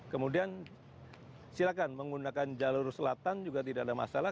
kemudian silakan menggunakan jalur selatan juga tidak ada masalah